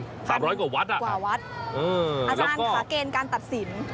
อาจารย์ค่ะเกณฑ์การตัดสินเป็นอย่างไร